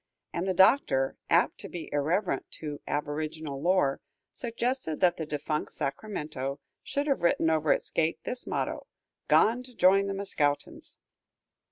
And the Doctor, apt to be irreverent as to aboriginal lore, suggested that the defunct Sacramento should have written over its gate this motto: "Gone to join the Mascoutins!"